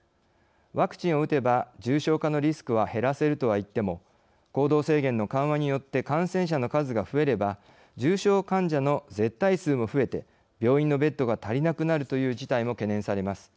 ワクチンを打てば重症化のリスクは減らせるとはいっても行動制限の緩和によって感染者の数が増えれば重症患者の絶対数も増えて病院のベッドが足りなくなるという事態も懸念されます。